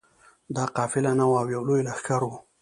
دا قافله نه وه او یو لوی لښکر وو.